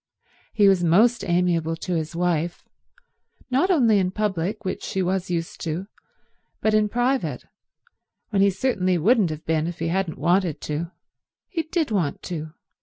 He was most amiable to his wife—not only in public, which she was used to, but in private, when he certainly wouldn't have been if he hadn't wanted to. He did want to.